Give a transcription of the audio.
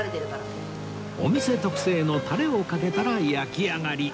お店特製のタレをかけたら焼き上がり